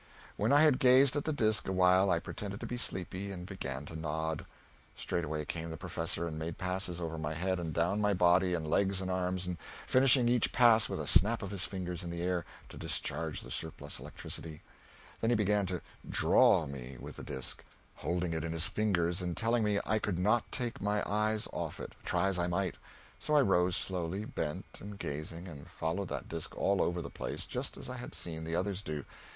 When I had gazed at the disk awhile I pretended to be sleepy, and began to nod. Straightway came the professor and made passes over my head and down my body and legs and arms, finishing each pass with a snap of his fingers in the air, to discharge the surplus electricity; then he began to "draw" me with the disk, holding it in his fingers and telling me I could not take my eyes off it, try as I might; so I rose slowly, bent and gazing, and followed that disk all over the place, just as I had seen the others do.